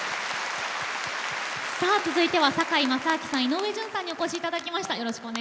続いては堺正章さん、井上順さんにお越しいただきました。